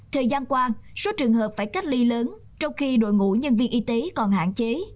thời gian qua số trường hợp phải cách ly lớn trong khi đội ngũ nhân viên y tế còn hạn chế